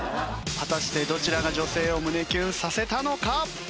果たしてどちらが女性を胸キュンさせたのか？